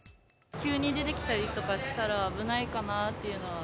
急に出てきたりとかしたら危ないかなっていうのは。